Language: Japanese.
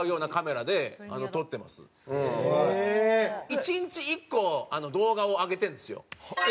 １日１個動画を上げてるんですよ。